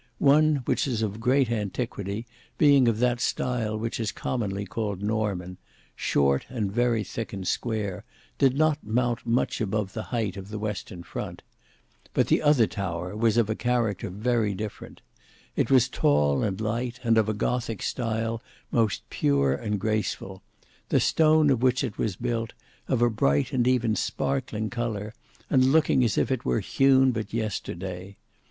One which was of great antiquity, being of that style which is commonly called Norman, short and very thick and square, did not mount much above the height of the western front; but the other tower was of a character very different, It was tall and light, and of a Gothic style most pure and graceful; the stone of which it was built, of a bright and even sparkling colour, and looking as if it were hewn but yesterday.